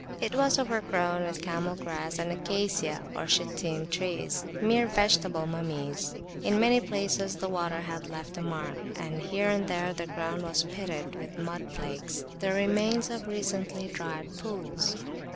It was overgrown with camel grass and Acacia (Shittim) trees, mere vegetable mummies; in many places the water had left a mark; and here and there the ground was pitted with mud flakes, the remains of recently dried pools.